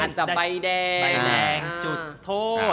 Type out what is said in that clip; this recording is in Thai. อาจจะใบแดงใบแรงจุดท